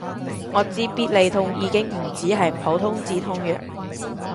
我知必理痛已經唔止係普通止痛藥